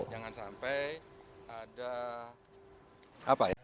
jangan sampai ada apa ya